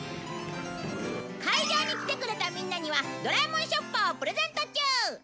会場に来てくれたみんなにはドラえもんショッパーをプレゼント中！